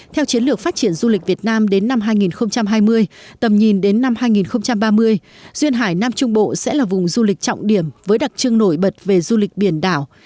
theo chiến lược phát triển du lịch việt nam đến năm hai nghìn hai mươi tầm nhìn đến năm hai nghìn ba mươi duyên hải nam trung bộ sẽ là vùng du lịch trọng điểm với đặc trưng nổi bật về du lịch biển đảo